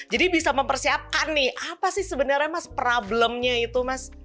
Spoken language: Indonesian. bisa mempersiapkan nih apa sih sebenarnya mas problemnya itu mas